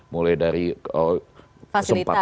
mulai dari kesempatan